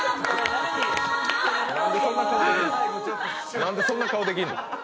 なんでそんな顔できんの？